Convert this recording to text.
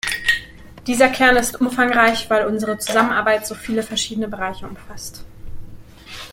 Dieser Kern ist umfangreich, weil unsere Zusammenarbeit so viele verschiedene Bereiche umfasst.